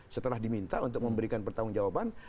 setelah diminta untuk memberikan pertanggung jawaban